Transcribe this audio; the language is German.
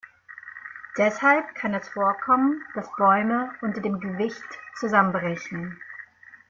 Deshalb kann es vorkommen, dass Bäume unter dem Gewicht zusammenbrechen.